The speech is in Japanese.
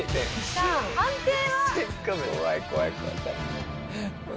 さあ判定は？